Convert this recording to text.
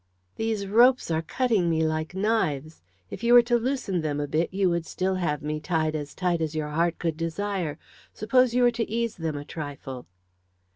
"These ropes are cutting me like knives. If you were to loosen them a bit you would still have me tied as tight as your heart could desire. Suppose you were to ease them a trifle."